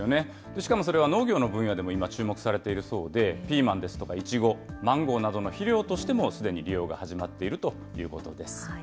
しかもそれは農業の分野でも今、注目されているそうで、ピーマンですとかイチゴ、マンゴーなどの肥料としてもすでに利用が始まっているということです。